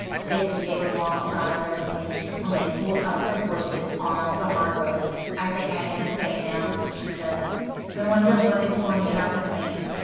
Vixen gave a long sigh presently, when they pulled up their horses on the hard road. "I think I am 'fey' now," she said. "I wonder what is going to happen to me?"